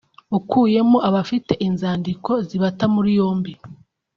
ukuyemo abafite inzandiko zibata muri yombi